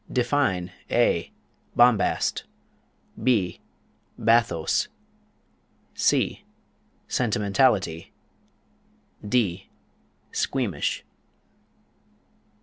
Define (a) bombast; (b) bathos; (c) sentimentality; (d) squeamish.